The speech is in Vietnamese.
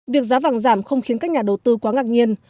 việc giá vàng giảm không khiến các nhà đầu tư quá ngạc nhiên